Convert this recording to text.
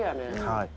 はい。